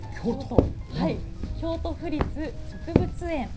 京都府立植物園。